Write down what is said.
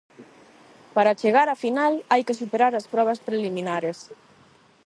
Para chegar á final, hai que superar as probas preliminares.